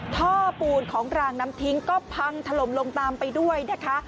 ท่อปูนของรางน้ำทิ้งก็พังถล่มลงตามไปด้วยนะคะ